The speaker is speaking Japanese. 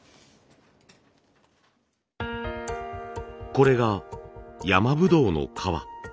これが山ぶどうの皮。